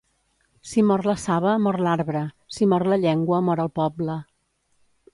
Si mor la saba, mor l'arbre. Si mor la llengua, mor el poble.